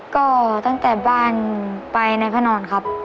ก็ตั้งแต่บ้านไปในพระนอนครับ